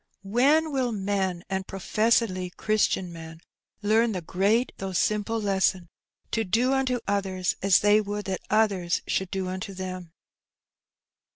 When will men, and professedly Christian men, learn the great though simple lesson — ^to do unto others as they would that others should do unto them?